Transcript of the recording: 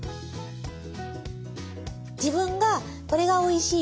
自分がこれがおいしい